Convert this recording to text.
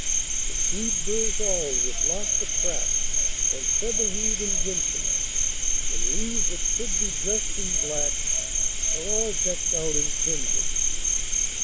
The seed burrs all with laughter crack On featherweed and jimson; And leaves that should be dressed in black Are all decked out in crimson.